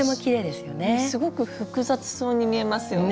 すごく複雑そうに見えますよね。